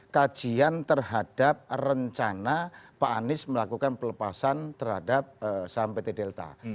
kajian terhadap rencana pak anies melakukan pelepasan terhadap saham pt delta